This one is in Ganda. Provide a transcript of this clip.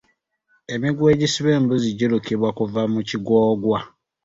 Emiguwa egisiba embuzi girukibwa kuva mu kigoogwa.